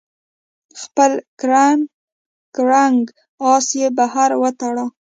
خپل کرنګ آس یې بهر وتاړه.